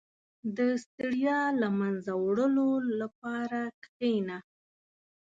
• د ستړیا له منځه وړلو لپاره کښېنه.